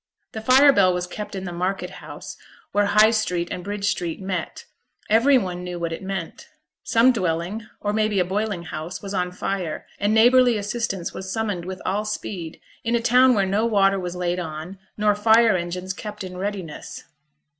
The fire bell was kept in the market house where High Street and Bridge Street met: every one knew what it meant. Some dwelling, or maybe a boiling house was on fire, and neighbourly assistance was summoned with all speed, in a town where no water was laid on, nor fire engines kept in readiness.